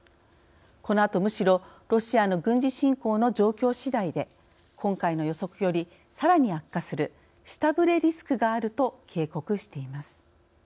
このあとむしろロシアの軍事侵攻の状況しだいで今回の予測よりさらに悪化する下振れリスクがあると警告しています。